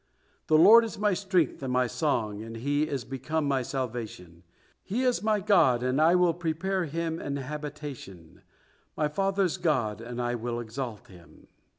The Lord is my strength and my song, and He is become my salvation; He is my God, and I will prepare Him and habitation; my father's God, and I will exalt Him."